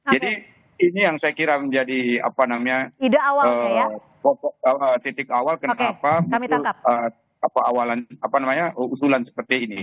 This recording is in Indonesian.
jadi ini yang saya kira menjadi titik awal kenapa usulan seperti ini